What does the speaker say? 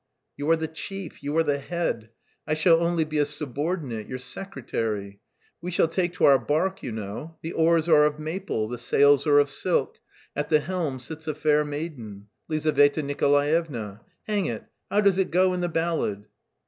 "You are the chief, you are the head; I shall only be a subordinate, your secretary. We shall take to our barque, you know; the oars are of maple, the sails are of silk, at the helm sits a fair maiden, Lizaveta Nikolaevna... hang it, how does it go in the ballad?"